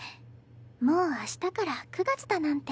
もう明日から９月だなんて。